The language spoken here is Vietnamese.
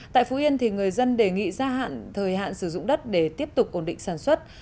tại phú yên người dân đề nghị gia hạn thời hạn sử dụng đất để tiếp tục ổn định sản xuất